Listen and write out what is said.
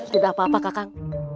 tidak apa apa kakak